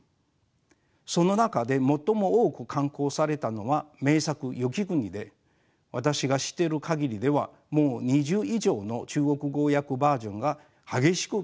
その中で最も多く刊行されたのは名作「雪国」で私が知っている限りではもう２０以上の中国語訳バージョンが激しく競い合っています。